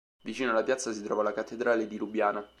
Vicino alla piazza si trova la cattedrale di Lubiana.